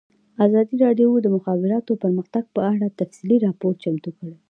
ازادي راډیو د د مخابراتو پرمختګ په اړه تفصیلي راپور چمتو کړی.